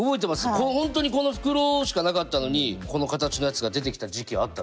本当にこの袋しかなかったのにこの形のやつが出てきた時期あった